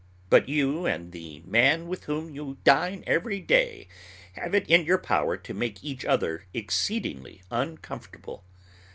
But you and the man with whom you dine every day have it in your power to make each other exceedingly uncomfortable.